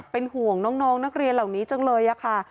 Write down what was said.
เป็นห่วงน้องนักเรียนเหล่านี้จังเลยค่ะ